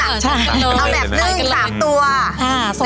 ก็คือสักตือทางแท้ตักเอาแบบนึ่งสามตัว